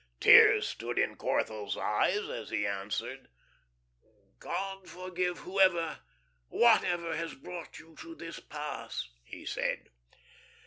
Tears stood in Corthell's eyes as he answered: "God forgive whoever whatever has brought you to this pass," he said.